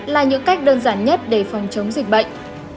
là những cách đơn giản nhất để phòng chống dịch bệnh